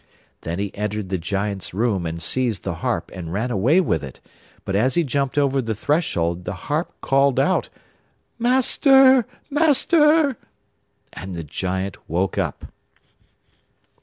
Then he entered the Giant's room and seized the harp and ran away with it; but as he jumped over the threshold the harp called out: 'MASTER! MASTER!' And the Giant woke up.